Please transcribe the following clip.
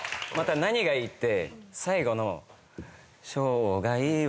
何がいいって。